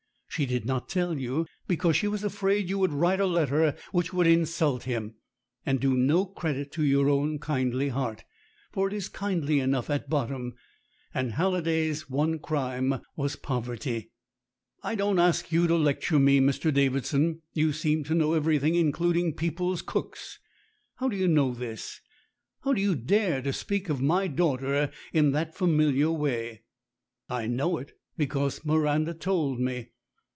She did not tell you, because she was afraid you would write a letter which would in sult him, and do no credit to your own kindly heart. For it is kindly enough at bottom, and Halliday's one crime was poverty." "I don't ask you to lecture me, Mr. Davidson. You seem to know everything including people's cooks. How do you know this ? How do you dare to speak of my daughter in that familiar way?" "I know it because Miranda told me.